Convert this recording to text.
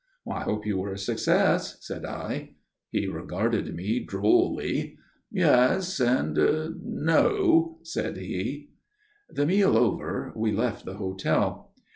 "I hope you were a success?" said I. He regarded me drolly. "Yes and no," said he. The meal over, we left the hotel.